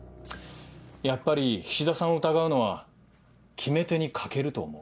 やっぱり菱田さんを疑うのは決め手に欠けると思う。